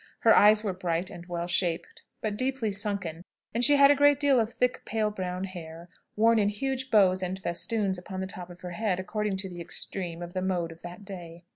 Her eyes were bright and well shaped, but deeply sunken, and she had a great deal of thick, pale brown hair, worn in huge bows and festoons on the top of her head, according to the extreme of the mode of that day.